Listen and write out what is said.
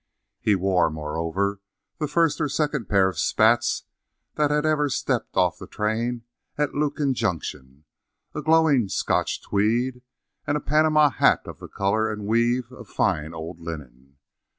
He wore, moreover, the first or second pair of spats that had ever stepped off the train at Lukin Junction, a glowing Scotch tweed, and a Panama hat of the color and weave of fine old linen.